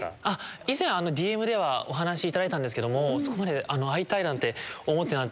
以前、ＤＭではお話しいただいたんですけども、そこまで会いたいなんて思ってたなんて